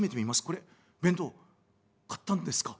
これ弁当買ったんですか？」。